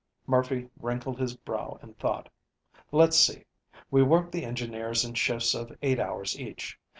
Murphy wrinkled his brow in thought. "Let's see," he said. "We work the engineers in shifts of 8 hours each.